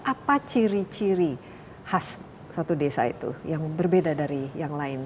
apa ciri ciri khas satu desa itu yang berbeda dari yang lain